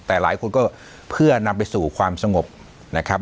แต่หลายคนก็เพื่อนำไปสู่ความสงบนะครับ